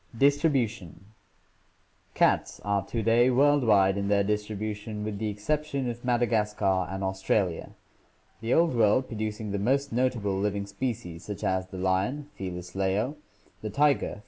Distribution. — Cats are to day worldwide in their distribution with the exception of Madagascar and Australia, the Old World producing the most notable living species, such as the lion (Felis leo), the tiger (F.